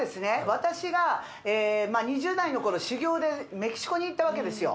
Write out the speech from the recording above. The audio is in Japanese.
私が２０代の頃修行でメキシコに行ったわけですよ